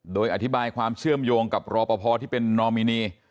โดยอธิบายความเชื่อมโยงกับรอปภที่เป็นนอมินี